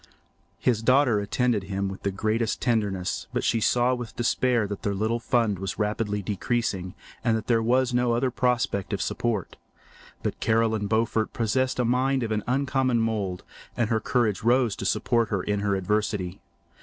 His daughter attended him with the greatest tenderness, but she saw with despair that their little fund was rapidly decreasing and that there was no other prospect of support. But Caroline Beaufort possessed a mind of an uncommon mould, and her courage rose to support her in her adversity.